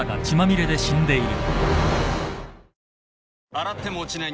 洗っても落ちない